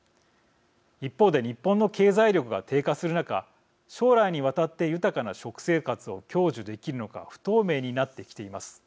一方で、日本の経済力が低下する中将来にわたって豊かな食生活を享受できるのか不透明になってきています。